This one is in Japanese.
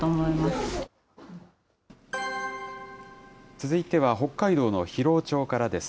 続いては北海道の広尾町からです。